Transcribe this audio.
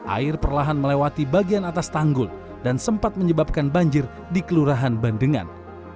air perlahan melewati bagian atas tanggul dan sempat menyebabkan banjir di kelurahan bandengan